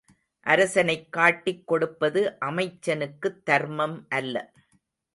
அரசனைக் காட்டிக் கொடுப்பது அமைச்சனுக்குத் தர்மம் அல்ல.